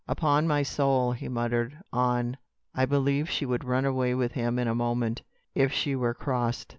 "Upon my soul," he muttered on, "I believe she would run away with him in a moment, if she were crossed.